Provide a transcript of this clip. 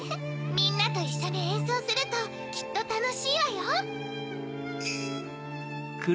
みんなといっしょにえんそうするときっとたのしいわよ。